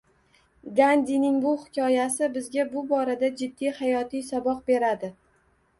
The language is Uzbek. Gandining bu hikoyasi bizga bu borada jiddiy hayotiy saboq beradi